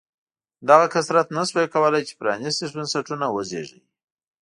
دغه کثرت نه شوای کولای چې پرانېستي بنسټونه وزېږوي.